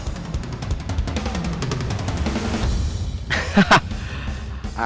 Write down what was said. apakah karena lady cuma anak dirinya